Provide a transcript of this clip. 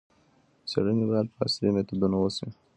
څېړنې باید په عصري میتودونو وشي.